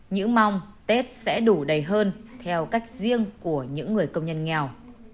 những mong tết sẽ đủ đầy hơn theo cách riêng của những người công nhân nghèo